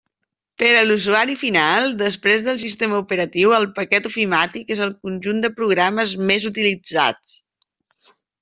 Per a l'usuari final, després del sistema operatiu, el paquet ofimàtic és el conjunt de programes més utilitzats.